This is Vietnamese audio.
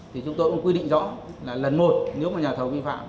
thì chúng tôi cũng quy định rõ là lần một nếu mà nhà thầu vi phạm